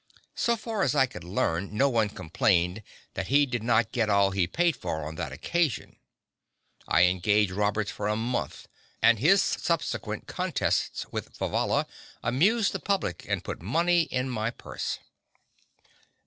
So far as I could learn, no one complained that he did not get all he paid for on that occasion. I engaged Roberts for a month and his subsequent "contests" with Vivalla amused the public and put money in my purse.